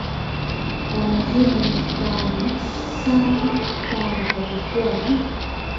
la muhimu ni kwa ni sana kwamba hakukuwa na